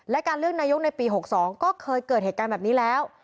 และการเลือกนายกในปี๖๒ก็เคยเกิดเหตุการณ์แบบนี้แล้ว